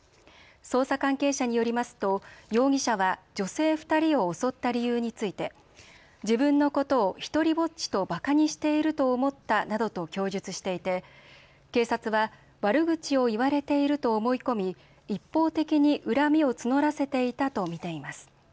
捜査関係者によりますと容疑者は女性２人を襲った理由について自分のことを独りぼっちとばかにしていると思ったなどと供述していて警察は悪口を言われていると思い込み一方的に恨みを募らせていたと見ています。